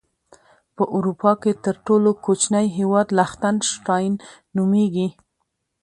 په اروپا کې تر ټولو کوچنی هیواد لختن شټاين نوميږي.